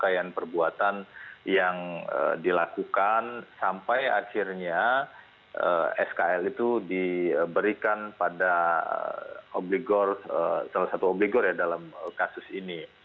saya dilakukan sampai akhirnya skl itu diberikan pada salah satu obligor ya dalam kasus ini